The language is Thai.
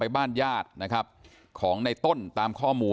ไปบ้านญาติของในต้นตามข้อมูล